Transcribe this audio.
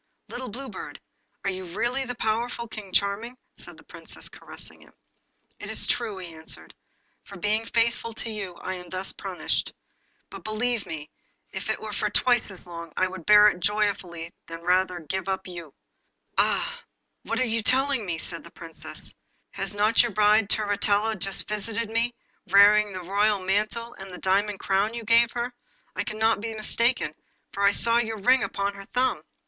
Little Blue Bird, are you really the powerful King Charming?' said the Princess, caressing him. 'It is too true,' he answered. 'For being faithful to you I am thus punished. But believe me, if it were for twice as long I would bear it joyfully rather than give you up.' 'Oh! what are you telling me?' cried the Princess. 'Has not your bride, Turritella, just visited me, wearing the royal mantle and the diamond crown you gave her? I cannot be mistaken, for I saw your ring upon her thumb.